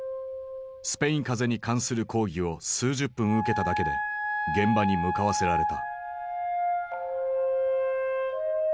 スペイン風邪に関する講義を数十分受けただけで現場に向かわせられた。